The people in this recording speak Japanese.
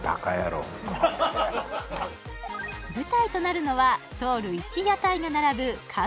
舞台となるのはソウル１屋台が並ぶ広蔵